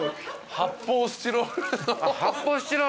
発泡スチロールか。